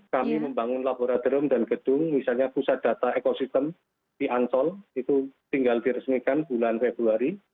kami membangun laboratorium dan gedung misalnya pusat data ekosistem di ancol itu tinggal diresmikan bulan februari